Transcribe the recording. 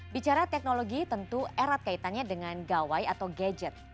bicara teknologi tentu erat kaitannya dengan gawai atau gadget